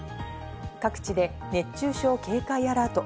各地で熱中症警戒アラート。